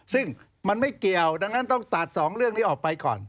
ซึ่งมันไม่เกี่ยวดังนั้นต้องตัดสองเรื่องนี้ออกไปก่อน